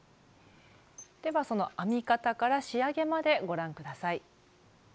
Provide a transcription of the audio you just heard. ではその編み方から仕上げまでご覧下さい。